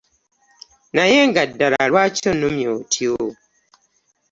Naye nga ddala lwaki onnumya otyo?